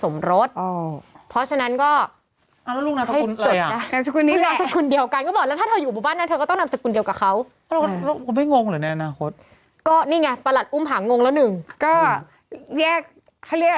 ก็ไปขอโทษกลับขอโทษคุณนุ่นวรรณุษย์